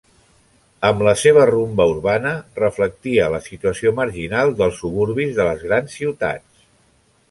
Amb la seva rumba urbana reflectia la situació marginal dels suburbis de les grans ciutats.